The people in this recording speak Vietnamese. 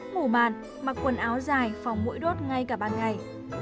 ngủ màn mặc quần áo dài phòng mũi đốt ngay cả ban ngày